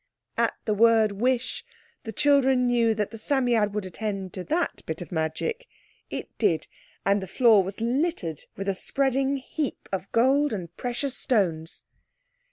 At the word "wish" the children knew that the Psammead would attend to that bit of magic. It did, and the floor was littered with a spreading heap of gold and precious stones.